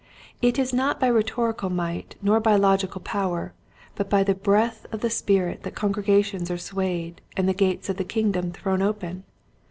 It is not by rhetorical might nor by logical power but by the breath of the Spirit that congregations are swayed and the gates of the kingdom thrown open.